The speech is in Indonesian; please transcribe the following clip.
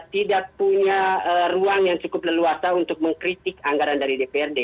tidak punya ruang yang cukup leluasa untuk mengkritik anggaran dari dprd